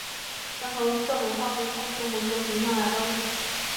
选手用这种方式控制母球停下来的位置。